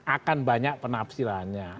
akan banyak penafsirannya